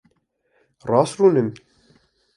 Rast rûnin.